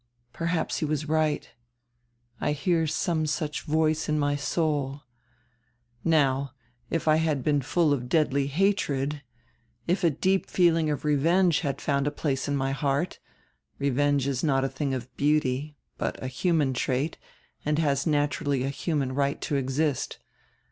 Perhaps he was right. I hear some such voice in my soul. Now if I had been full of deadly hatred, if a deep feeling of revenge had found a place in my heart — Revenge is not a tiling of beauty, but a human trait and has naturally a human right to exist.